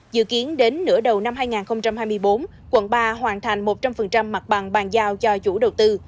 dự kiến đến nửa đầu năm hai nghìn hai mươi bốn quận ba hoàn thành một trăm linh mặt bằng bàn giao cho chủ đầu tư